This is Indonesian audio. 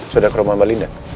sudah ke rumah mbak linda